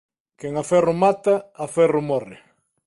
Quen a ferro mata, a ferro morre.